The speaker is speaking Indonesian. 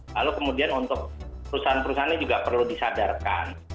lalu kemudian untuk perusahaan perusahaannya juga perlu disadarkan